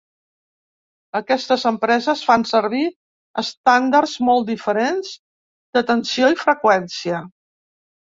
Aquestes empreses fan servir estàndards molt diferents de tensió i freqüència.